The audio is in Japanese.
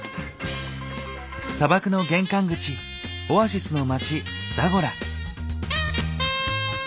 砂漠の玄関口オアシスの街ザゴラ。